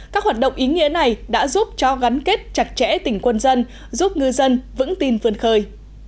các hoạt động ý nghĩa này đã giúp cho gắn kết chặt chẽ tỉnh quân dân giúp ngư dân vững tin vươn khơi